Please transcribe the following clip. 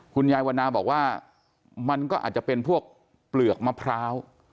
คุณยายวันนาบอกว่ามันก็อาจจะเป็นพวกเปลือกมะพร้าว